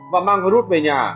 và mang virus về nhà